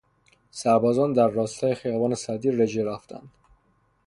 سربازان در راستای خیابان سعدی رژه رفتند.